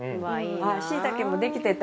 しいたけも、できてた？